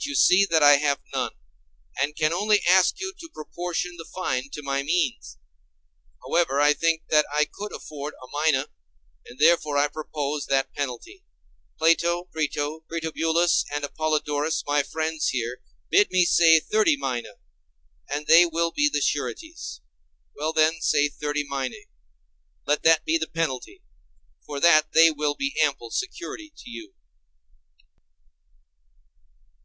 But you see that I have none, and can only ask you to proportion the fine to my means. However, I think that I could afford a mina, and therefore I propose that penalty; Plato, Crito, Critobulus, and Apollodorus, my friends here, bid me say thirty minæ, and they will be the sureties. Well then, say thirty minæ, let that be the penalty; for that they will be ample security to you.